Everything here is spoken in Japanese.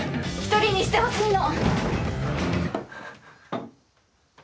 １人にしてほしいの！！